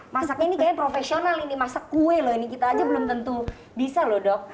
masaknya ini kayaknya profesional ini masak kue loh ini kita aja belum tentu bisa loh dok